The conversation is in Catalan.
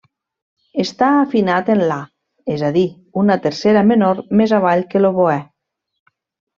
Està afinat en la, és a dir, una tercera menor més avall que l'oboè.